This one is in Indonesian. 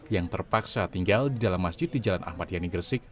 yang terpaksa tinggal di dalam masjid di jalan ahmad yani gresik